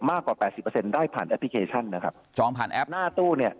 มากกว่า๘๐ได้ผ่านแอปพลิเคชันนะครับจองผ่านแอปหน้าตู้เนี่ย